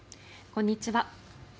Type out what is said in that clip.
こんにちは。